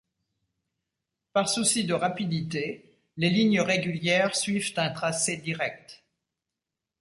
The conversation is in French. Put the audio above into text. Par souci de rapidité, les lignes régulières suivent un tracé direct.